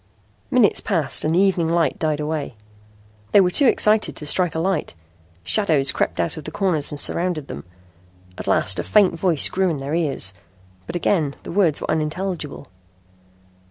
Minutes passed and the evening light died away. They were too excited to strike a light. Shadows crept out of the corners and surrounded them. At last a faint voice grew in their ears. But again the words were unintelligible.